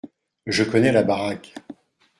Je connais la baraque.